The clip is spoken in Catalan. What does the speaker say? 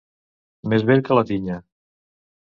Més vell que la tinya.